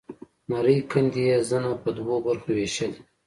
نرۍ کندې يې زنه په دوو برخو وېشلې.